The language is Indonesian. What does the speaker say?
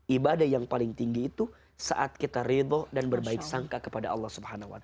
ibadah yang paling tinggi itu saat kita ridho dan berbaik sangka kepada allah swt